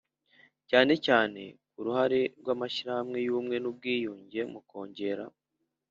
Cyane cyane ku ruhare rw amashyirahamwe y ubumwe n ubwiyunge mu kongera